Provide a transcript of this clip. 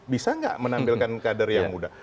bisa tidak menampilkan kader yang mudah